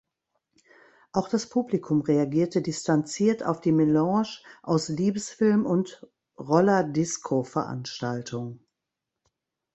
Auch das Publikum reagierte distanziert auf die Melange aus Liebesfilm und Roller-Disco-Veranstaltung.